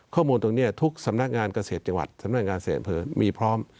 ข้อมูลตรงนี้ทุกสำนักงานเกษตรจังหวัดสำนักงานเศษอำเภอมีพร้อม